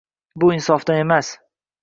Bu insofdan emas.